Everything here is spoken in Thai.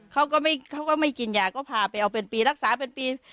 เขาก็ไม่กินยาก็พาไปเอาเป็นปีรักษาเป็นปี